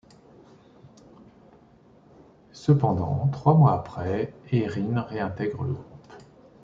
Cependant, trois mois après, Euaerin réintègre le groupe.